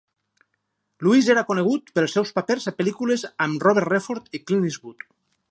Lewis era conegut pels seus papers a pel·lícules amb Robert Redford i Clint Eastwood.